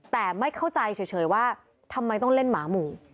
แต่ไม่เข้าใจเฉยว่าทำไมต้องเล่นหมาหมู่